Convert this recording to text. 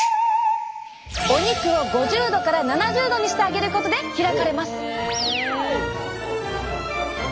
お肉を５０℃から７０℃にしてあげることで開かれます！